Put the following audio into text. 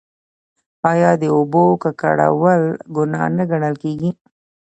آیا د اوبو ککړول ګناه نه ګڼل کیږي؟